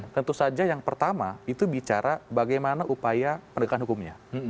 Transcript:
tentu saja yang pertama itu bicara bagaimana upaya pendekatan hukumnya